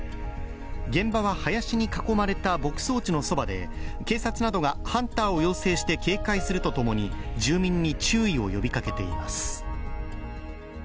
現場は林に囲まれた牧草地のそばで警察などがハンターを要請して警戒するとともに住民に注意を呼びかけています。